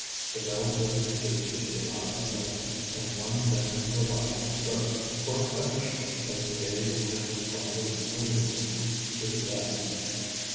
The bell did its duty to the last note, and one thin revival stroke, for a finish, as in days when it responded livingly to the guest.